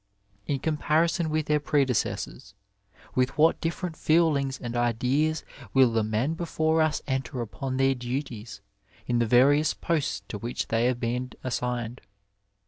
In comparison with their predecessors, with what different feelings and ideas will the men before us enter upon their duties in the various posts to which they have been assigned.